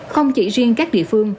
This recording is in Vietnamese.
không chỉ riêng các địa phương